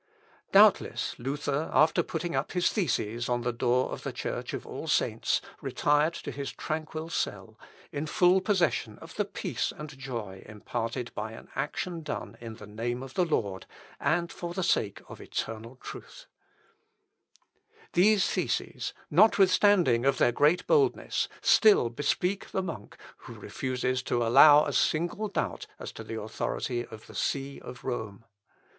" Doubtless, Luther, after putting up his theses on the door of the church of All Saints, retired to his tranquil cell, in full possession of the peace and joy imparted by an action done in the name of the Lord, and for the sake of eternal truth. Luth. Op. Leips. vi, p. 518. These theses, notwithstanding of their great boldness, still bespeak the monk, who refuses to allow a single doubt as to the authority of the See of Rome.